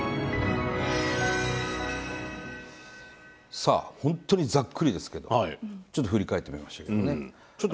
さあ本当にざっくりですけどちょっと振り返ってみましたけどね。